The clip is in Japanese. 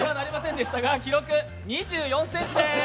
記録、２４ｃｍです。